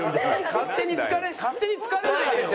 「勝手に疲れ」「勝手に疲れないでよ」。